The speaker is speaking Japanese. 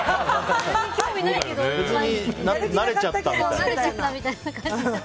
なれちゃったみたいな。